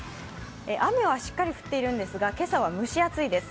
雨はしっかり降っているんですが今朝は蒸し暑いです。